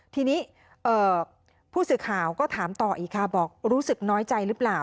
ทีนี้ผู้สื่อข่าวก็ถามต่ออีกค่ะบอกรู้สึกน้อยใจหรือเปล่า